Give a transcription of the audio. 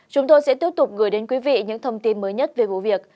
chúng tôi sẽ tiếp tục gửi đến quý vị những thông tin mới nhất về vụ việc